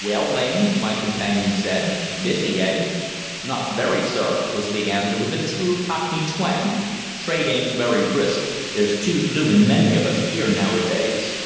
"Well, Lane?" my companion said. "Busy, eh?" "Not very, sir," was the answer, with the true cockney twang. "Trade ain't very brisk. There's too bloomin' many of us 'ere nowadays."